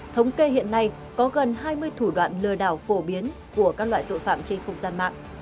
thống kê hiện nay có gần hai mươi thủ đoạn lừa đảo phổ biến của các loại tội phạm trên không gian mạng